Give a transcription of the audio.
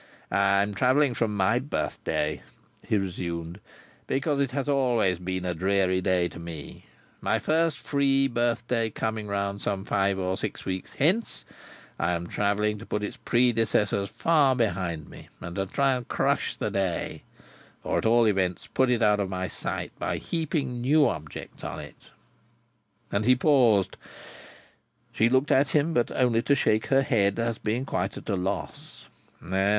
"I am travelling from my birthday," he resumed, "because it has always been a dreary day to me. My first free birthday coming round some five or six weeks hence, I am travelling to put its predecessors far behind me, and to try to crush the day—or, at all events, put it out of my sight—by heaping new objects on it." As he paused, she looked at him; but only shook her head as being quite at a loss.